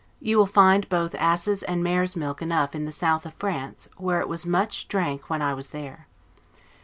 You will find both asses' and mares' milk enough in the south of France, where it was much drank when I was there.